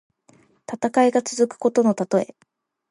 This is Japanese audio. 戦いが続くことのたとえ。